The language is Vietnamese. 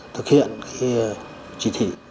thực hiện cái chỉ thị